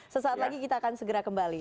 sesaat lagi kita akan segera kembali